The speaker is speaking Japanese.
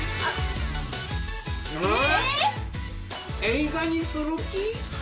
映画にする気！？